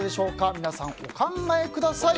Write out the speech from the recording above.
皆さん、お考えください。